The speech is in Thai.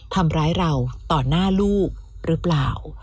ทำร้ายเราต่อหน้าลูกหรือเปล่า